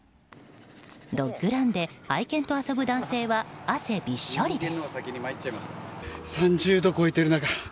ドッグランで愛犬と遊ぶ男性は汗びっしょりです。